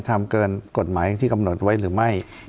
ทำเกินกฎหมายอย่างที่กำหนดไว้หรือไม่